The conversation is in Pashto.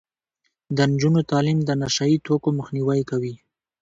د نجونو تعلیم د نشه يي توکو مخنیوی کوي.